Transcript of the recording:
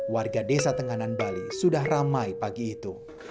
warga desa tenganan bali sudah ramai pagi itu